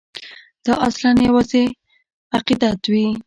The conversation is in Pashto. دا اصلاً یوازې عقیدت وي.